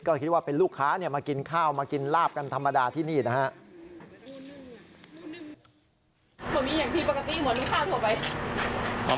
ก็คิดว่าเป็นลูกค้ามากินข้าวมากินลาบกันธรรมดาที่นี่นะครับ